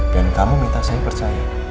dan kamu minta saya percaya